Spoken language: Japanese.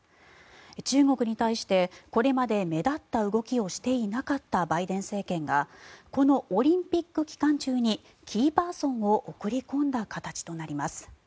中国に対してこれまで目立った動きをしていなかったバイデン政権がこのオリンピック期間中にキーパーソンを送り込んだ形となります。